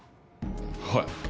はい。